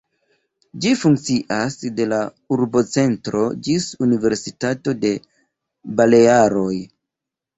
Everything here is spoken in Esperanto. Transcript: Ĝi funkcias de la urbocentro ĝis Universitato de Balearoj.